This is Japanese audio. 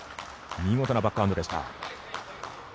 見事なバックハンドでした。